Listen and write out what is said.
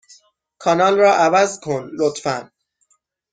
کانال را عوض کن، لطفا.